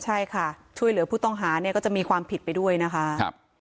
ใช่ค่ะช่วยเหลือผู้ต้องหาเนี่ยก็จะมีความผิดไปด้วยนะคะ